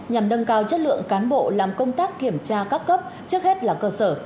nhằm nâng cao chất lượng cán bộ làm công tác kiểm tra các cấp trước hết là cơ sở